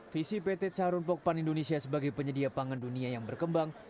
visi pt charun pokpan indonesia sebagai penyedia pangan dunia yang berkembang